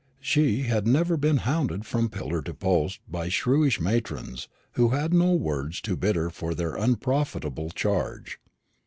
She had never been hounded from pillar to post by shrewish matrons who had no words too bitter for their unprofitable charge.